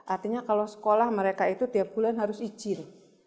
artinya kalau sekolah mereka itu tiap bulan harus izin